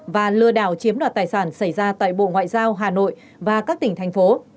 và lừa đảo chiếm đoạt tài sản xảy ra tại bộ ngoại giao hà nội và các tỉnh thành phố